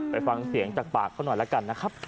ไปฟังเสียงจากปากเขาหน่อยแล้วกันนะครับ